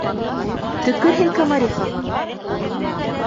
— Төкөр һин Комарихаға